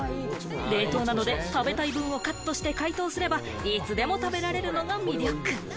冷凍などで食べたい分をカットして解凍すれば、いつでも食べられるのが魅力。